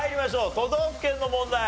都道府県の問題。